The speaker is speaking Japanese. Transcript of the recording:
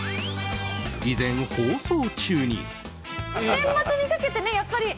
以前、放送中に。